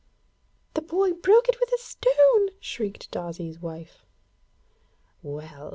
'The boy broke it with a stone!' shrieked Darzee's wife. 'Well!